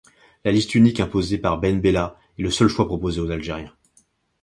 La liste unique imposée par Ben Bella est le seul choix proposé aux Algériens.